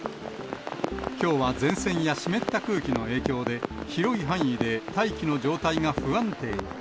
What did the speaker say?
きょうは前線や湿った空気の影響で、広い範囲で大気の状態が不安定に。